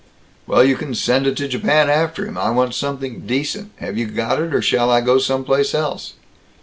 "Well, you can send it to Japan after him. I want something decent. Have you got it or shall I go some place else?"